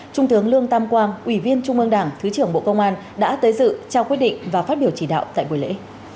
trung tướng lương tam quang ủy viên trung ương đảng thứ trưởng bộ công an đã tới dự trao quyết định và phát biểu chỉ đạo tại buổi lễ